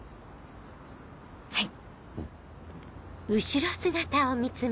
はい。